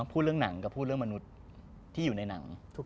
พูดเรื่องหนังกับพูดเรื่องมนุษย์ที่อยู่ในหนัง